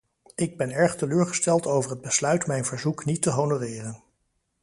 Ik ben erg teleurgesteld over het besluit mijn verzoek niet te honoreren.